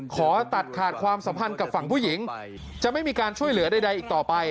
ขอตัดขาดความสัมพันธ์กับฝั่งผู้หญิงจะไม่มีการช่วยเหลือใดอีกต่อไป